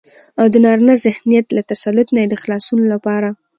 او دنارينه ذهنيت له تسلط نه يې د خلاصون لپاره